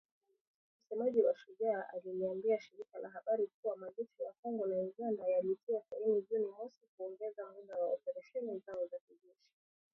Msemaji wa Shujaa, aliliambia shirika la habari kuwa majeshi ya Kongo na Uganda yalitia saini Juni mosi kuongeza muda wa operesheni zao za kijeshi.